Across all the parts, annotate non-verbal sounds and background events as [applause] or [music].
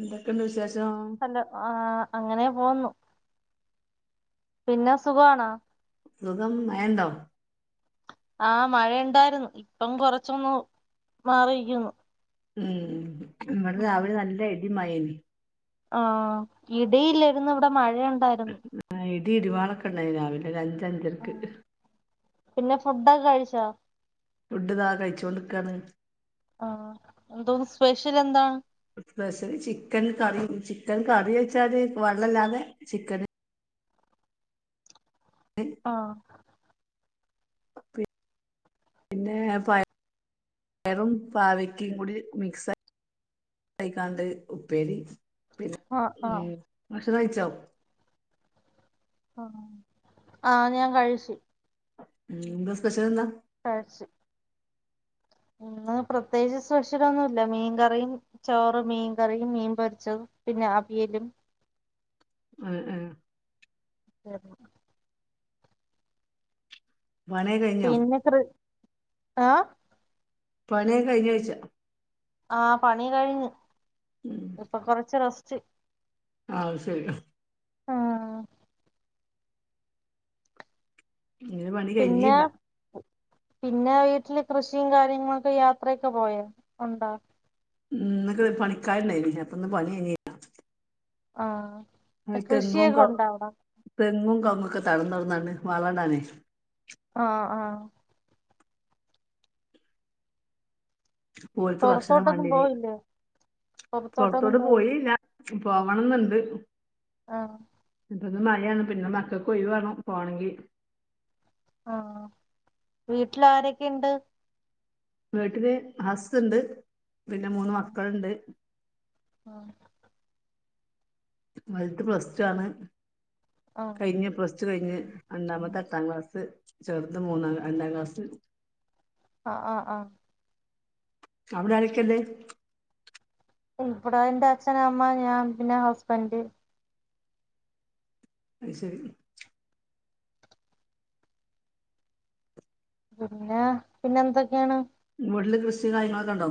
എന്തൊക്കണ്ട് വിശേഷ് ഇപ്പെന്താ ആ അങ്ങനേ പോവുന്നു പിന്നെ സുഖാണോ? സുഖം മഴയുണ്ടോ? ആഹ് മഴ ഉണ്ടായിരുന്നു ഇപ്പം കൊറച്ചൊന്ന് മാറിയിരിക്കുന്നു. ഉം നമ്മടെ രാവിലെ നല്ല ഇടിയും മഴയും യ്നി ആഹ് ഇടിയില്ലരുന്നു ഇവിടെ മഴ മഴ ഉണ്ടായിരുന്നു. ഇടിരുവാളൊക്കെയുണ്ടായിന് രാവിലെ അഞ് അഞ് അഞ്ചരയ്ക്ക് പിന്നെ ഫുഡൊക്കെ കഴിച്ചോ? ഫുഡ് ഇതാ കഴിച്ചോണ്ട്ക്കാന്ന്. ആഹ് എന്തോന്ന് സ്പെഷ്യൽ എന്താണ്? Special chicken curry chicken curry വെച്ചാല് വള്ളല്ലാതെ ചിക്കന് ആഹ്. പിന്നെ പയ പയറും പാവക്കിം കൂടി മിക്സ് ആയിക്കാണ്ട് ഉപ്പേരി. പിന്നെ ആഹ് ആഹ് [unintelligible] കഴിച്ചോ? ആഹ് ആഹ് ഞാൻ കഴിച്ചു. ഉം എന്താ സ്പെഷ്യൽ എന്താ? കയിച് ഇന്ന് പ്രത്യേകിച്ച് സ്പഷലൊന്നുല്ല. മീൻകറിയും ചോറ് മീൻകറിയും മീൻ പൊരിച്ചത് പിന്നെ അവിയലും ഏഹ് ഏഹ് [inaudible] പണിയൊ കഴിഞ്ഞോ? പിന്നെ കൃ ആഹ് പണിയ കഴിഞ്ഞോയ്ച്ച. ആ പണി കഴിഞ്ഞ്. ഇപ്പൊ കൊർച്ച് റെ ച്ച് ആഹ് അത്ശരി ഇങ്ങ് പണി പിന്നെ കഴിഞ്ഞില്ല പിന്നെ വീട്ടില് കൃഷിയും കാര്യങ്ങളൊക്കെ യാത്രയൊക്കെ പോയാ ഉണ്ടാ ന്ന് പണിക്കാര്ണ്ടയിനി അപ്പന്ന് പണി കഴിഞ്ഞില്ല ആഹ് ആഹ് തെങ്ങും കൃഷിയൊക്കെ ക ഉണ്ടോ അവിടെ തെങ്ങും കവ്ങ്ങ് ക്കെ തടം തൊർന്നാണ്ട് വളടാനെ ആഹ് ആഹ് ഓൽക്ക് ഭക്ഷണം പൊറത്തോട്ടൊന്നും വേണ്ടിനി പോയില്ലേ പൊറത്തോട്ടൊന്നും പോയി പോവണന്ന്ണ്ട് ആഹ് ഇപ്പന്ന് മഴയാണ് പിന്നെ മക്കക്കൊയിവേണം പോണങ്കി ആഹ് വീട്ടിൽ ആരൊക്കെണ്ട് വീട്ടല് ഹസ് ഇണ്ട് പിന്നെ മൂന്ന് മക്കൾണ്ട് ആഹ് വൽത് പ്ലസ് ടു ആണ് ആഹ് കഴിഞ്ഞ് പ്ലസ്റ്റു കഴിഞ്ഞ് രണ്ടാമത്തെ എട്ടാം ക്ലാസ് ചെറുത് മൂന്നാം രണ്ടാം ക്ലാസ് ആ ആ ആ അവിടെ ആരക്കെണ്ട് ഇവ്ടാ എൻറെ അച്ഛനമ്മ ഞാൻ പിന്നെ ഹസ്ബന്റ് അയ്ശരി പിന്നെ പിന്നെ എന്തൊക്കെയാണ് വീട്ടില് കൃഷി കാര്യങ്ങളൊക്കെ ണ്ടോ?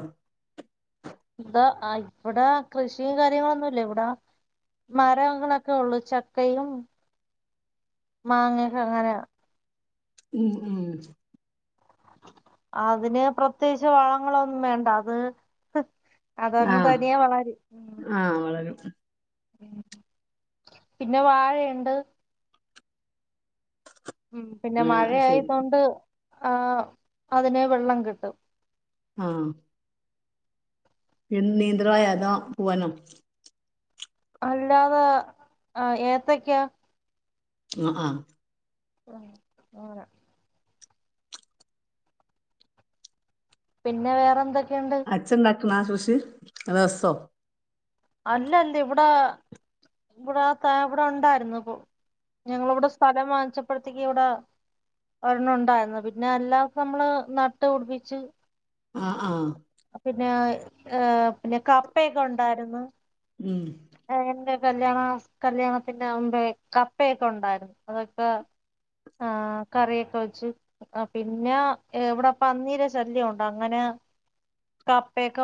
ന്താ ആ ഇവിടെ കൃഷിയും കാര്യങ്ങളൊന്നുല്ല ഇവിടെ മരങ്ങളൊക്കെ ഉള്ളു ചക്കയും മാങ്ങെക്കെ ങ്ങനെ ഉം ഉം അതിന് പ്രത്യേകിച്ച് വളങ്ങളൊന്നും വേണ്ട അത് അതങ്ങ് തനിയേ വളരും. ഉം ഉം പിന്നെ വാഴേണ്ട് ഉം പിന്നെ ആഹ് മഴ അത് ശരി ആയതൊണ്ട് ആ അതിന് വെള്ളം കിട്ടും ആഹ് എന്ദീ നീന്ത്രവാഴ അതോ പൂവനോ അല്ലാതെ ആ ഏത്തക്യാ അ ആ ആ ആന പിന്നെ വേറെന്തൊക്ക് അച്ഛന്ത ണ കൃഷി രസൊ അല്ലന്തേ ഇവടെ ഇവടെ താ ഇവടെണ്ടായിരുന്നു ഞങ്ങളിവിടെ സ്ഥലം വാങ്ങിച്ചപ്പോഴത്തേക്ക് ഇവിടെ ഒരണ്ണണ്ടായിരുന്നു പിന്നെ അല്ലാത നമ്മള് നട്ട് പിട്പ്പിച്ച് ആ ആ പിന്നെ പിന്നെ കപ്പയൊക്കെണ്ടായിരുന്നു ഉം എന്റെ കല്യാണ കല്യാണത്തിന്റമുമ്പേ കപ്പയൊക്കെ ഉണ്ടായിരുന്നു അതൊക്കെ ആ കറിയൊക്കെ വെച്ചു പിന്നെ ഇവടെ പന്നീട ശല്യമുണ്ട് അങ്ങനെ കപ്പയൊക്കെ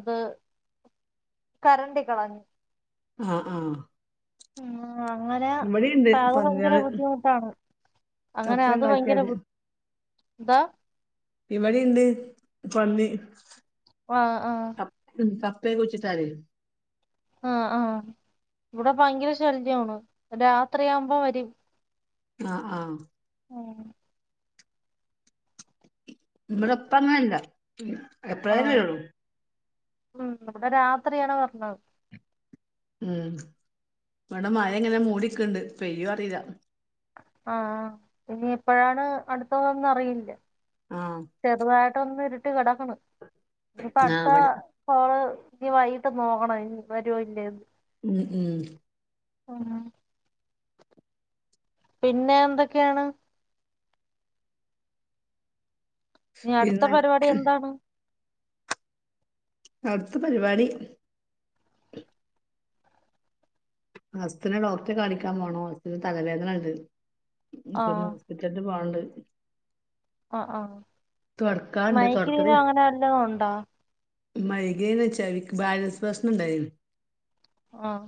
ഇത് കരണ്ടി കളഞ്ഞു. ആ ആ ഉം ആ അങ്ങനെ അത് ഭയങ്കര പന്നികള് ബുദ്ധിമുട്ടാണ് കപ്പ അങ്ങനെയത് ഭയങ്കര ഇണ്ടാക്കിയാല് ബു ന്താ ഇവിടിണ്ട് പന്നി ആ ആ പ്പേ കുയ്ച്ചിട്ടാരെ ആ ആ ഇവടെ ഭയങ്കര ശല്യാണ് രാത്രിയാവുമ്പോ വരും. ആ ആ ഉം ഇവടെപ്പങ്ങനെല്ല എപ്പളേലും ആഹ് വെരൊള്ളൂ ഉം ഇവടെ രാത്രിയാണ് വെര്ണത്. ഉം ഇവടെ മഴങ്ങനെ മൂടിക്ക്ണ്ട് പെയ്യോറീല്ല ആ ആ ഇനി എപ്പഴാണ് അട്ത്തതെന്നറിയില്ല. ആഹ് ചെറുതായി ട്ടൊന്നു ഇരുട്ട്ക്കട ക്കാണ് ആഹ് ഞ്പ്പട്ത്ത ഇവിടെ കോള് ഇനി വൈകിട്ടൊന്നോക്കണം വരോ ഇല്ലേ ന്ന്. ഉം ഉം ആ പിന്നെ എന്തൊക്കെയാണ്? ഇനി അട്ത്ത പിന്നെ പരിവാടി എന്താണ്? അട്ത്ത പരിവാടി അസ്‌ത്ത്നെ ഡോക്ടറെ കാണിക്കാൻ പോണോ അസ്തിന് തലവേദനണ്ട് ഇപ്പഞ്ഞ് ആഹ് ഹോസ്പിറ്റല് പോവാണ്ട്. ആഹ് ആഹ് തൊടക്കാണ്ട് മൈഗ്രൈനോ അങ്ങനെ വലതുണ്ടോ മൈഗേൻ വെച്ചാൽ ബാലൻസ് പ്രശ്നുണ്ടായി ആഹ്.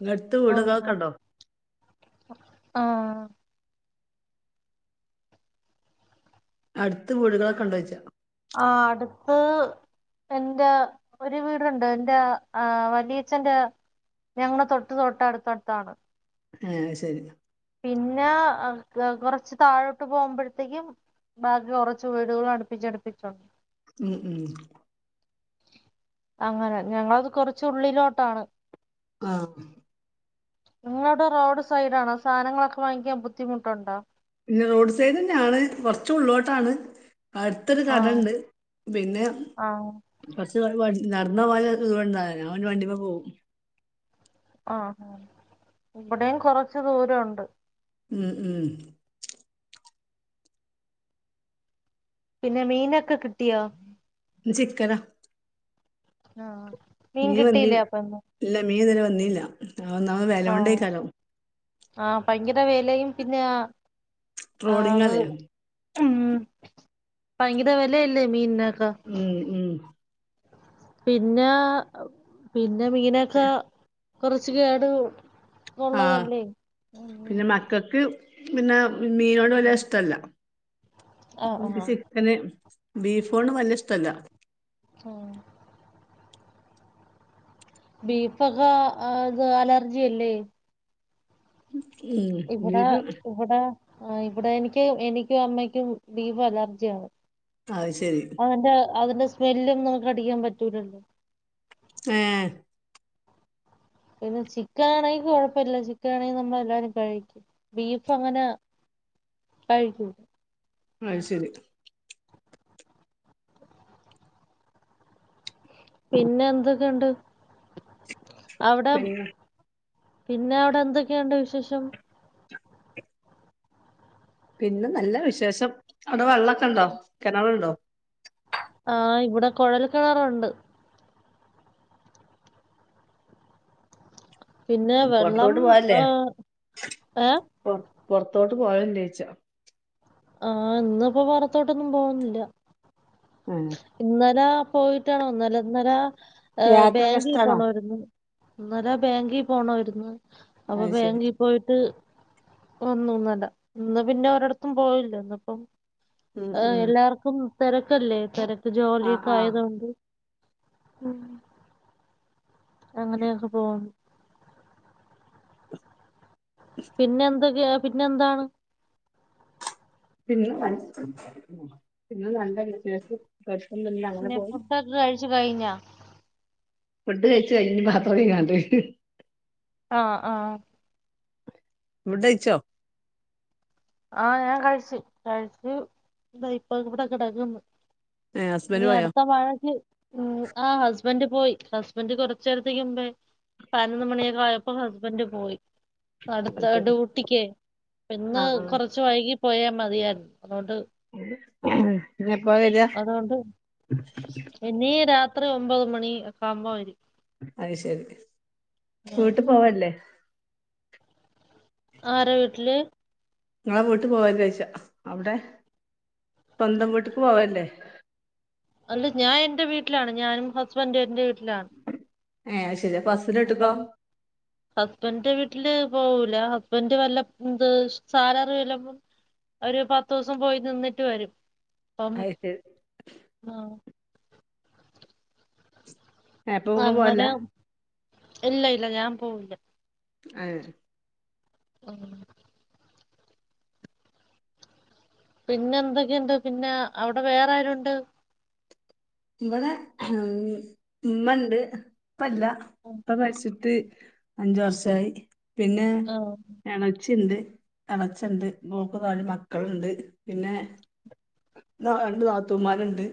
ഇങ്ങടുത്ത് ആഹ് വീട്കളൊക്കെണ്ടോ ആഹ്. അടുത്ത് വീടുകളെക്കെ ഇണ്ടോയ്ച്ച ആഹ് അടുത്ത് എന്റെ ഒരു വീടുണ്ട് എന്റെ ആഹ് വലിയച്ഛന്റെ ഞങ്ങളെ തൊട്ട് തൊട്ട് അടുത്തടുത്താണ് ആഹ് ശരി പിന്നെ കുറച്ച് താഴോട്ട് പോകുമ്പോഴത്തേക്കും ബാക്കി കുറച്ച് വീടുകളും അടുപ്പിച്ചടുപ്പിച്ചുണ്ട് ഉം ഉം. അങ്ങനെ ഞങ്ങളത് കൊറച്ചുള്ളിലോട്ടാണ് ആഹ്. നിങ്ങളുടെ റോഡ് സൈഡ് ആണോ സാധനങ്ങളൊക്കെ വാങ്ങിക്കാൻ ബുദ്ധിമുട്ടുണ്ടോ? പിന്നെ റോഡ് സൈഡ് തന്നെയാണ് കുറച്ച ഉള്ളിലോട്ടാണ്. അടുത്തൊരു കട ആഹ് ഉണ്ട് പിന്നെ ആഹ് കൊറച്ചു [unintelligible] നടന്ന് പോവാന്ലെ ദൂരം [unintelligible] അവന് വണ്ടി മേ പോവും. ഇവിടെയും കൊറച്ച് ദൂരം ഉണ്ട് ഉം ഉം. പിന്നെ മീനൊക്കെ കിട്ടിയോ ഇന്ന് ചിക്കന നാ. മീൻ വന്നിൽ ഇല്ല മീൻതെരേ വ ന്നീല്ല ആ ഒന്നാമത് വെലോണ്ടേയ്ക്കാലം ആ ഭയങ്കര വിലയും പിന്നെ ആ ഡ്രോളിങ് അത് അല്ലേ ഉം ഭയങ്കര വിലയല്ലേ മീൻന് ഉം ഉം പിന്നേ പിൻ ന മീനോക്ക കുറച്ച് കേട് ആഹ് ഉള്ളതല്ലേ ഉം പിന്നെ മക്കക്ക് പിന്നെ മീനോട് വല്ല്യ ഇഷ്ടല്ല. ആഹ് ഓൽക് ആഹ് ചിക്കന് ബീഫോണ്ടും വല്ല്യ ഇഷ്ടല്ല. ആഹ്. ബീഫൊക്കെ അത് അലർജി അല്ലേ? ഉം ഇവിടെ ബീഫ് ഇവിടെ ആഹ് ഇവിടെ എനിക്ക് എനിക്കും അമ്മയ്ക്കും ബീഫ് അലർജിയാണ്. അത് ശരി അതിന്റെ അതിന്റെ സ്മെല്ലും നമുക്ക് അടിക്കാൻ പറ്റൂലല്ലോ ഏഹ്. പിന്നെ ചിക്കൻ ആണെങ്കി കൊഴപ്പില്ല ചിക്കൻ ആണെങ്കി നമ്മളെല്ലാരും കഴിക്കും ബീഫ് അങ്ങനെ കഴിക്കൂ അത് ശരി. പിന്നെ എന്തൊക്കെയണ്ട്. അവിടെ പിന്നെ പിന്നെ അവടെ എന്തൊക്കെയുണ്ട് വിശേഷം പിന്നെ നല്ല വിശേഷം അവടെ വെള്ളൊക്കെ ണ്ടോ കെണറുണ്ടോ ആഹ് ഇവിടെ കൊഴൽ കെണറുണ്ട് പിന്നെ വെള്ളം പൊറത്തോട്ട് പോവല്ലേ ഏ ഏ പൊർത്തോട്ട് പോവൽ ല്ലേ ച്ച ആ ഇന്ന്പ്പോ പൊർത്തോട്ടൊന്നും പോവുന്നില്ല ആഹ് ഇന്നലെ പോയിട്ടാണൊന്നരൊന്നര ഏ യാത്രക്കെ ബാങ്കിൽ ഇഷ്ടാണോ പോണാര്ന്നു ഇന്നലെ ബാങ്കി പോണാര്ന്നു അപ്പൊ അത് ശരി ബേങ്കി പോയിട്ട് വന്നു ന്നലെ ന്ന് പിന്നെ ഒരിട്ത്തും പോയി ചെന്നപ്പം ഉം ആഹ് ഉം എല്ലാർക്കും തെരക്കല്ലേ തെര പ്പൊ ആഹ് ആഹ് ജോലിക്കായതോണ്ട് ഉം അങ്ങനെയൊക്കെ പോന്നു പിന്നെ എന്തൊക്കെയ? പിന്നെ എന്താണ്? പിന്നെ നൽ പിന്നെ നല്ല വിശേഷം കൊഴപ്പൊന്നുല്ല അങ്ങനെ പിന്നെ പോണ് ഫുഡ്ഡോ കഴിച്ച് കഴിഞ്ഞോ ഫുഡ് കഴിച്ചു കഴിഞ്. ഞ് പാത്രം കൈകാണ്ട് ആ ആ വുഡെയിച്ചോ? ആഹ് ഞാൻ കഴിച്. കഴിച്ചു താ ഇപ്പൊ ഇവിടെ കെടെക്ക്ന്ന് ഏ ഹസ്ബൻഡ് ഞ്ഞി പോയോ അടുത്ത മഴക്ക് ഉ ആ ഹസ്ബന്റ് പോയി ഹസ്ബന്റ് കൊറച്ചേരത്തേക്ക് മുമ്പേ പായിനൊന്ന് മണിയൊക്കായപ്പൊ ഹ ബന്റ് പോയി. അടുത്ത ഡ്യൂട്ടിക്കേ പ്പിന്ന് ആ കുറച്ച് വൈകി പോയ മതിയാര്ന്നു. ഇനി എപ്പ വരാ? അതുകൊണ്ട് ത്രി ഒമ്പത് മണി ഒക്കാകുമ്പോ വരും. അത് ശരി ആഹ് വീട്ട് പോവാല്ലേ? ആര വീട്ടില്? നിങ്ങളെ വീട്ട് പോവാല ചോദിച്ച അവിടെ സ്വന്തം വീട്ടക്ക് പോവാല്ലേ? അല്ല ഞാൻ എന്റെ വീട്ടിലാണ് ഞാനും ഹസ്ബൻഡും എന്റെ വീട്ടി ലാണ്. ആയ് പ്പഹസ്സിന്റെ വീട്ടക്കോ? ട്ടില് പോവൂല ഹസ്ബൻ് വല്ല എ സാലറി വല്ല ഒരു പത്ത് ദിവസം പോയി നിന്നിട്ട് വരും. പ്പം അത് ശരി ആഹ് എപ്പൊങ്ങ് പോവല്ല? അങ്ങനെ ഇല്ല ഇല്ല ഞാൻ പോവില്ല- ഏ- [inaudible] പിന്നെ എന്തൊക്കെയുണ്ട് പിന്നെ അവിടെ വേറെ ആരുണ്ട്? ഇവിടെ ഉം ഉമ്മണ്ട്- ഉപ്പല്ല ഉപ്പ മരിച്ചിട്ട്- അഞ്ചു വർഷായി പിന്നെ ആഹ് ഇണച്ചിണ്ട്- എളച്ചുണ്ട് മോക്ക് നാല് മക്കളുണ്ട് പിന്നെ ന രണ്ട് നാത്തൂമാരുണ്ട്-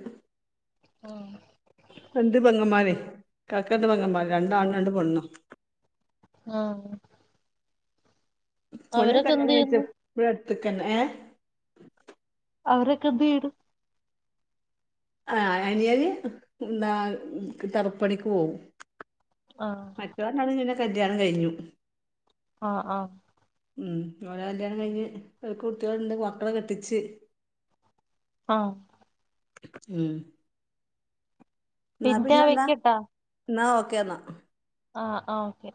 ആഹ് - രണ്ട് പെങ്ങന്മാര് കാക്കണ്ട് പെങ്ങന്മാര് രണ്ടാണരണ്ട് പെണ്ണും- ആഹ് - മോലെ കല്യാണം കയിച്ച ചെയ്യുന്നു ഇവിടെ അട് ഇത്ക്കെന്നേ- അവരൊക്കെ വീട് ആ അനിയന് എന്താ തറുപ്പണിക്ക് പോവും- ആഹ് മറ്റവനാണ് പിന്നെ കല്യാണം കഴിഞ്ഞു- ആഹ് ആ- ഉം ഓര കല്യാണം കഴിഞ്ഞ് ഓര്ക് കുട്ടികളുണ്ട് മക്കള കെട്ടിച്ച്- ആഹ് - ഉം പിന്നെ വെയ്ക്കട്ടാ എന്നാ ഓക്കേന്നാ ആഹ് ആ ഓക്കെ